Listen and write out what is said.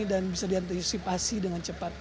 dan bisa diantisipasi dengan cepat